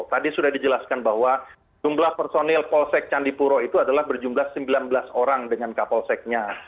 tadi sudah dijelaskan bahwa jumlah personil polsek candipuro itu adalah berjumlah sembilan belas orang dengan kapolseknya